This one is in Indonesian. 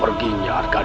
aku ingin berubah